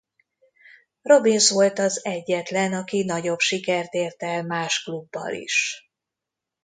Robins volt az egyetlen aki nagyobb sikert ért el más klubbal is.